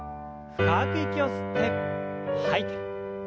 深く息を吸って吐いて。